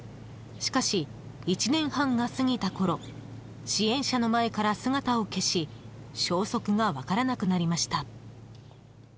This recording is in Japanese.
しかし、１年半が過ぎたころ支援者の前から姿を消し消息が分からなくなりました。